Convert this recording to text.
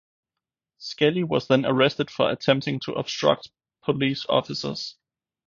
Skelly was then arrested for attempting to obstruct police officers.